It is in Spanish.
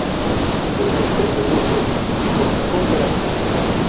El vector de Burger corresponde a la torsión.